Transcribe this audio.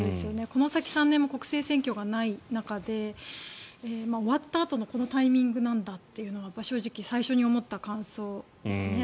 この先３年も国政選挙がない中で終わったあとのこのタイミングなんだというのが正直、最初に思った感想ですね。